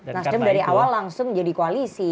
nasdem dari awal langsung jadi koalisi